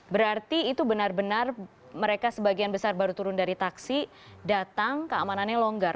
berarti itu benar benar mereka sebagian besar baru turun dari taksi datang keamanannya longgar